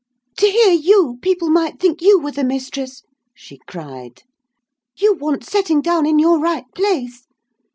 "To hear you, people might think you were the mistress!" she cried. "You want setting down in your right place!